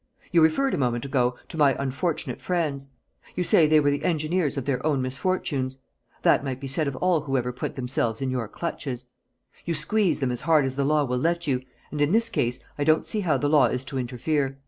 You referred a moment ago to my unfortunate friends; you say they were the engineers of their own misfortunes. That might be said of all who ever put themselves in your clutches. You squeeze them as hard as the law will let you, and in this case I don't see how the law is to interfere.